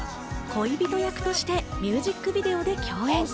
恋人役としてミュージックビデオで共演。